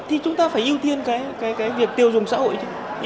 thì chúng ta phải ưu tiên cái việc tiêu dùng xã hội chứ